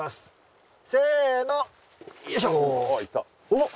おっ。